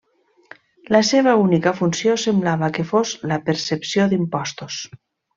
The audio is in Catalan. La seva única funció semblava que fos la percepció d'impostos.